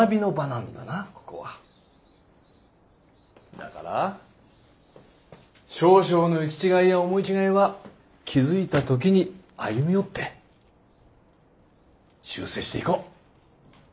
だから少々の行き違いや思い違いは気付いた時に歩み寄って修正していこう。